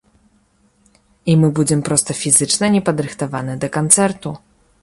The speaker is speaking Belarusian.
І мы будзем проста фізічна непадрыхтаваны да канцэрту.